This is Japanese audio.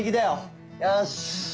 よし。